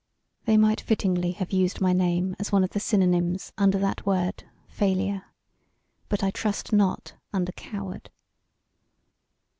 They might fittingly have used my name as one of the synonyms under that word Failure, but I trust not under Coward.